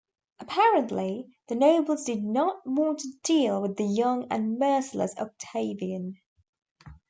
Apparently, the nobles did not want to deal with the young and merciless Octavian.